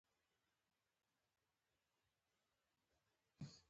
هم یې د تباهۍ په لاره کې.